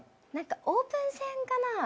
何かオープン戦かな？